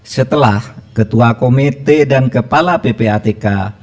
setelah ketua komite dan kepala ppatk